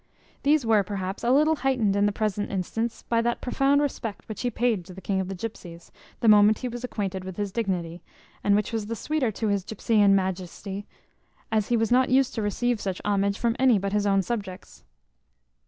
These were, perhaps, a little heightened in the present instance, by that profound respect which he paid to the king of the gypsies, the moment he was acquainted with his dignity, and which was the sweeter to his gypseian majesty, as he was not used to receive such homage from any but his own subjects.